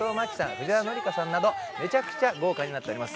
藤原紀香さんなどめちゃくちゃ豪華になっております